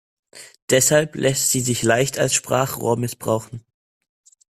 Deshalb lässt sie sich leicht als Sprachrohr missbrauchen.